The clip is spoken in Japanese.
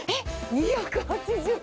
２８０円？